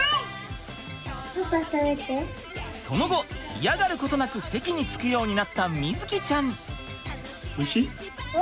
その後嫌がることなく席に着くようになった瑞己ちゃん。